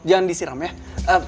jangan disiram ya